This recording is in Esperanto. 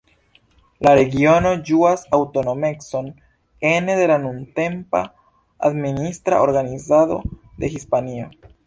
La regiono ĝuas aŭtonomecon ene de la nuntempa administra organizado de Hispanio.